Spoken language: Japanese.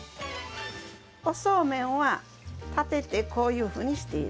おそうめんは立ててこういうふうにして入れます。